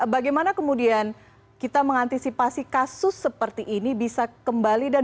bagaimana kemudian kita mengantisipasi kasus seperti ini bisa kembali dan mungkin saja terjadi begitu pak